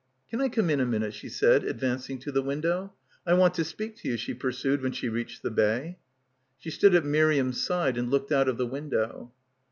"Can I come in a minute?" she said, advancing to the window. "I want to speak to you," she pursued when she reached the bay. She stood at Miriam's side and looked out of the window.